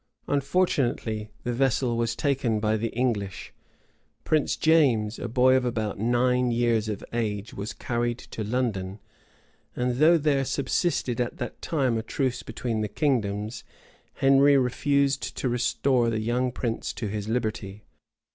Unfortunately, the vessel was taken by the English; Prince James, a boy about nine years of age, was carried to London; and though there subsisted at that time a truce between the kingdoms, Henry refused to restore the young prince to his liberty.